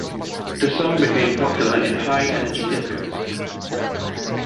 The song became popular in High Energy discos.